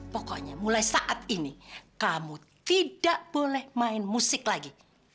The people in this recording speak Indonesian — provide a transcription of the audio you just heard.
pokoknya mulai saat ini kamu tidak boleh main musik lagi